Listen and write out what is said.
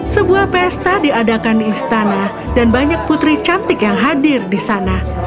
sebuah pesta diadakan di istana dan banyak putri cantik yang hadir di sana